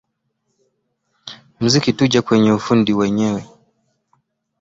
muziki tuje kwenye ufundi wenyewe